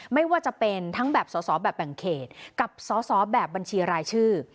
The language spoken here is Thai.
ไม่ว่าจะเป็นทั้งแบบสอสอแบบแบ่งเขตกับสอสอแบบบัญชีรายชื่อ